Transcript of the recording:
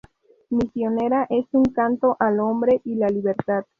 Misionera es un canto al hombre y la libertad.